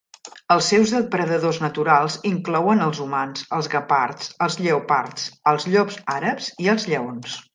Els seus depredadors naturals inclouen els humans, els guepards, els lleopards, els llops àrabs i els lleons.